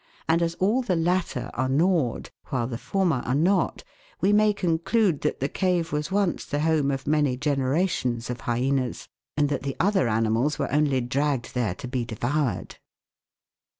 and as all the latter are gnawed, while the former are not, we may conclude that the cave was once the home of many generations of hyaenas, and that the other animals were only dragged there to be devoured.